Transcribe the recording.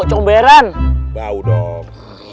kalau gitu bareng aja deh